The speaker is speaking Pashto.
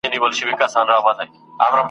داسي د نېستۍ څپېړو شین او زمولولی یم !.